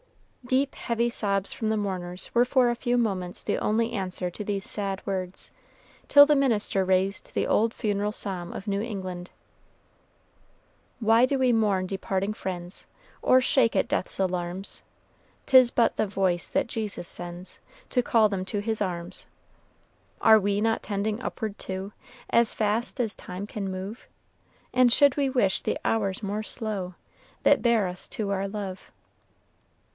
Deep, heavy sobs from the mourners were for a few moments the only answer to these sad words, till the minister raised the old funeral psalm of New England, "Why do we mourn departing friends, Or shake at Death's alarms? 'Tis but the voice that Jesus sends To call them to his arms. "Are we not tending upward too, As fast as time can move? And should we wish the hours more slow That bear us to our love?"